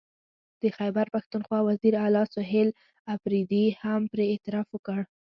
د خیبر پښتونخوا وزیر اعلی سهیل اپريدي هم پرې اعتراف وکړ